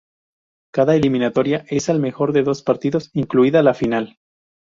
Cada eliminatoria es al mejor de dos partidos, incluida la final.